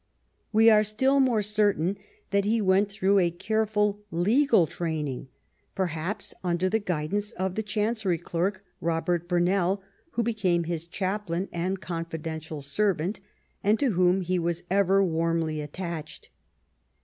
We are still more certain that he went through a careful legal training, perhaps under the guidance of the chancery clerk, Robert Burnell, who became his chaplain and confidential servant and to whom he Avas ever warmly attached.